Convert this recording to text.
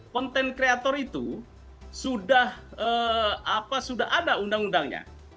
konten kreator itu sudah ada undang undangnya